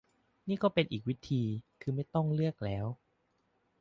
นี่ก็เป็นอีกวิธี คือไม่ต้องเลือกแล้ว